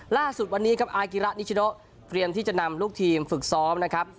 ล่าสุดวันนี้ครับอากิระนิชโนเตรียมที่จะนำลูกทีมฝึกซ้อมนะครับ